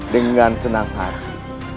dengan senang hati